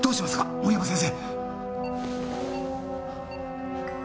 森山先生！